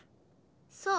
そう。